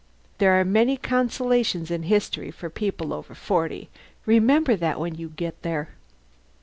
There are many consolations in history for people over forty! Remember that when you get there.